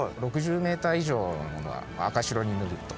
６０メーター以上のものは赤白に塗ると。